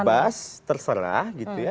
bebas terserah gitu ya